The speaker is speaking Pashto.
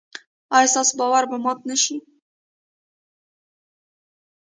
ایا ستاسو باور به مات نشي؟